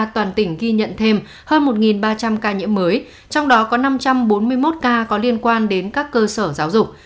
toàn tỉnh ghi nhận thêm hơn một ba trăm linh ca nhiễm mới trong đó có năm trăm bốn mươi một ca có liên quan đến các cơ sở giáo dục